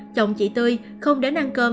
chồng chị tươi không đến ăn cơm